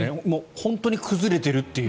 本当に崩れてるという。